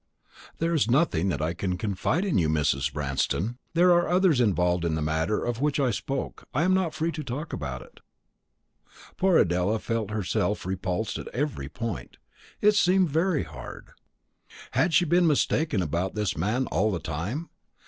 "There is nothing that I can confide in you, Mrs. Branston. Others are involved in the matter of which I spoke, I am not free to talk about it." Poor Adela felt herself repulsed at every point. It seemed very hard. Had she been mistaken about this man all the time?